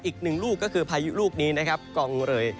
อีกหนึ่งลูกก็คือพายุลูกนี้นะครับกองเลย